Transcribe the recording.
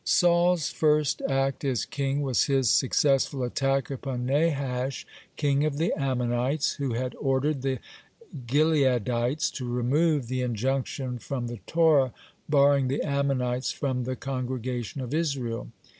(55) Saul's first act as king was his successful attack upon Nahash, king of the Ammonites, who had ordered the Gileadites to remove the injunction from the Torah barring the Ammonites from the congregation of Israel.